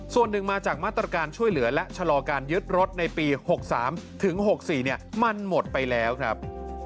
ส่วนหนึ่งมาจากมาตรการช่วยเหลือและชะลอการยึดรถในปี๖๓ถึง๖๔มันหมดไปแล้วครับ